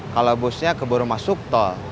kalau busnya keburu masuk tol